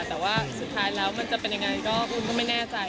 แต่ว่าสุดท้ายแล้วมันจะเป็นยังไงก็อุ้มก็ไม่แน่ใจ